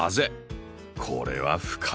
これは深いです。